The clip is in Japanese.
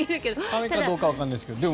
亀かどうかはわからないけど。